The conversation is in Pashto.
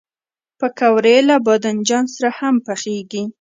پکورې له بادنجان سره هم پخېږي